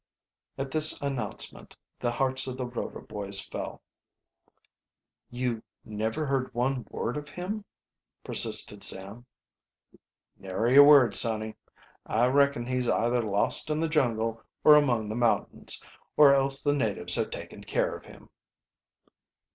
At this announcement the hearts of the Rover boys fell. "You never heard one word of him?" persisted Sam. "Nary a word, sonny. I reckon he's either lost in the jungle or among the mountains, or else the natives have taken care of him."